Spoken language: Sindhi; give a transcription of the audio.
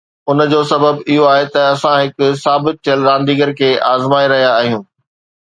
ان جو سبب اهو آهي ته اسان هڪ ثابت ٿيل رانديگر کي آزمائي رهيا آهيون